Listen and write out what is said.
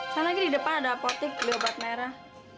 sama lagi di depan ada apotek biobat merah